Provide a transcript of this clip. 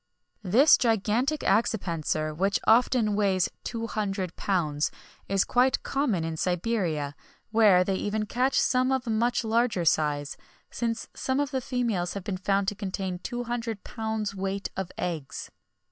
[XXI 38] This gigantic accipenser, which often weighs two hundred pounds, is quite common in Siberia, where they even catch some of a much larger size, since some of the females have been found to contain two hundred pounds weight of eggs.